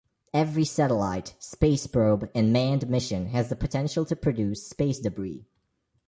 Every satellite, space probe, and manned mission has the potential to produce space debris.